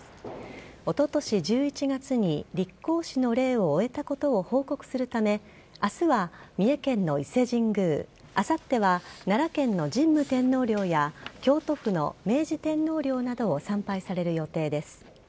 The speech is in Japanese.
おととし１１月に立皇嗣の礼を終えたことを報告するため明日は三重県の伊勢神宮あさっては奈良県の神武天皇陵や京都府の明治天皇陵などを参拝される予定です。